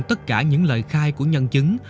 tất cả những lời khai của nhân chứng